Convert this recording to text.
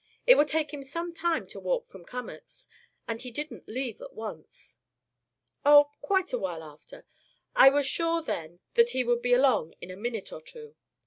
It would take him some time to walk from Cummack's; and he didn't leave at once " "Oh, quite a while after. I was sure then that he would be along in a minute or two.